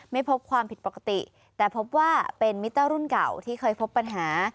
ไม่พบความผิดปกติแต่พบว่าเป็นมิเตอร์รุ่นเก่าที่เคยพบปัญหา